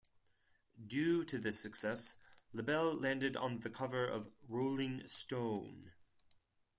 Due to this success, Labelle landed on the cover of "Rolling Stone".